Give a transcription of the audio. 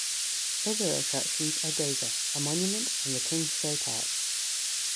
Other attractions are Geser, a monument, and the King's Gate arch.